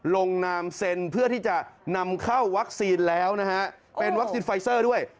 โดนถล่มเละเลย